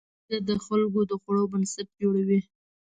بزګر د خلکو د خوړو بنسټ جوړوي